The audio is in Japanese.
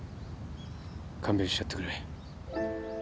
勘弁してやってくれ。